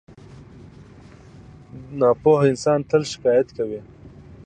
• ناپوهه انسان تل شکایت کوي.